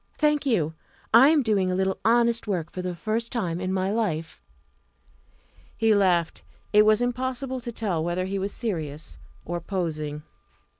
"Thank you. I am doing a little honest work for the first time in my life." He laughed. It was impossible to tell whether he was serious or posing.